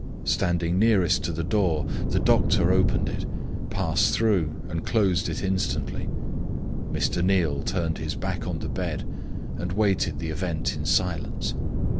Standing nearest to the door, the doctor opened it, passed through, and closed it instantly. Mr. Neal turned his back on the bed, and waited the event in silence.